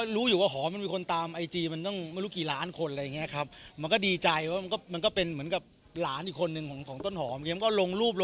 รู้อยู่ว่าหอมมันมีคนตามไอจีมันตั้งไม่รู้กี่ล้านคนอะไรอย่างนี้ครับ